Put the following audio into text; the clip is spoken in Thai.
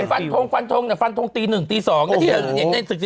ฟันทงฟันทงฟันทงตีหนึ่งตีสอง